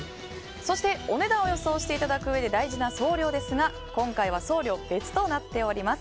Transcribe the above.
そして、お値段を予想していただくうえで大事な送料ですが今回は送料別となっています。